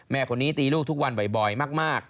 แม่คนนี้ตีลูกทุกวันบ่อยมาก